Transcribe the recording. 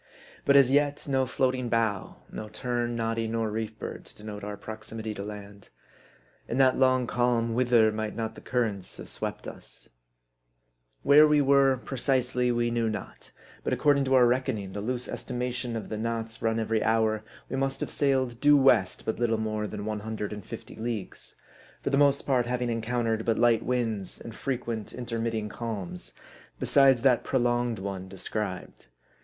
But as yet, no floating bough, no tern, noddy, nor reef bird, to denote our proximity to land. In that long calm, whither might not the cur rents have swept us ? Where we were precisely, we knew not ; but according to our reckoning, the loose estimation of the knots run every hour, we must have sailed due west but little more than one hundred and fifty leagues ; for the most part having encountered but light winds, and frequent intermitting calms, besides that prolonged one described.